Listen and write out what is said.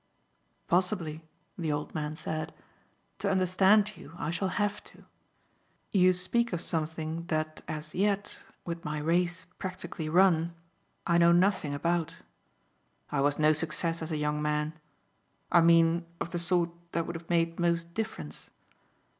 "Possibly," the old man said; "to understand you I shall have to. You speak of something that as yet with my race practically run I know nothing about. I was no success as a young man. I mean of the sort that would have made most difference.